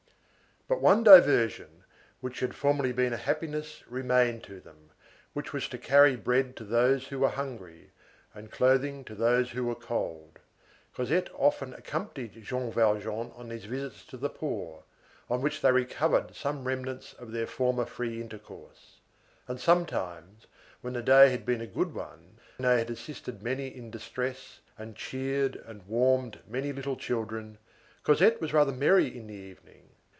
But one diversion, which had formerly been a happiness, remained to them, which was to carry bread to those who were hungry, and clothing to those who were cold. Cosette often accompanied Jean Valjean on these visits to the poor, on which they recovered some remnants of their former free intercourse; and sometimes, when the day had been a good one, and they had assisted many in distress, and cheered and warmed many little children, Cosette was rather merry in the evening.